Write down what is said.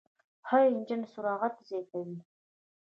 ښه انجن سرعت زیاتوي.